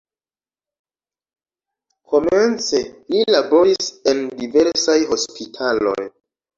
Komence li laboris en diversaj hospitaloj.